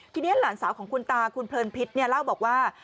ทีนี้หลานสาวของคุณตาคุณเพลินพิษเล่าบอกว่า